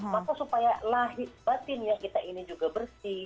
maka supaya batin yang kita ini juga bersih